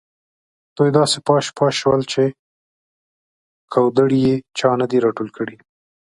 دوی داسې پاش پاش شول چې کودړي یې چا نه دي راټول کړي.